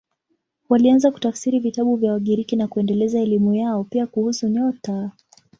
Walianza kutafsiri vitabu vya Wagiriki na kuendeleza elimu yao, pia kuhusu nyota.